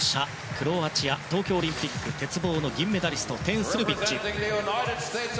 クロアチア東京オリンピック鉄棒の銀メダリストテン・スルビッチ。